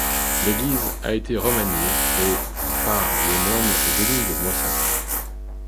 L'église a été remaniée au par les moines venus de Moissac.